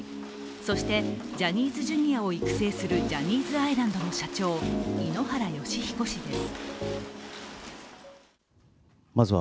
そしてジャニーズＪｒ．を育成するジャニーズアイランドの社長、井ノ原快彦氏です。